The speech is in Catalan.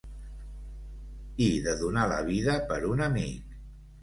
... i de donar la vida per un amic